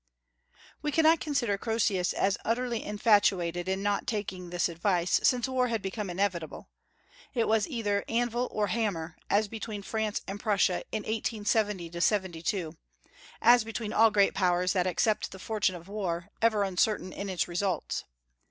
We cannot consider Croesus as utterly infatuated in not taking this advice, since war had become inevitable, It was "either anvil or hammer," as between France and Prussia in 1870 72, as between all great powers that accept the fortune of war, ever uncertain in its results.